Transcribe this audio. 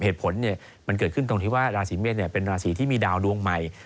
เหตุผลมันเกิดขึ้นตรงที่ว่าราศีเมษเป็นราศีที่มีดาวดวงใหม่